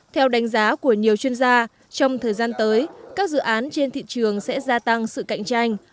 theo đánh giá của nhiều chuyên gia trong thời gian tới các dự án trên thị trường sẽ gia tăng sự cạnh tranh